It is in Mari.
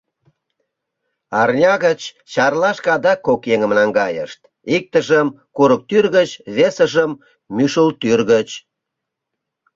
Арня гыч Чарлашке адак кок еҥым наҥгайышт, иктыжым — Курыктӱр гыч, весыжым — Мӱшылтӱр гыч.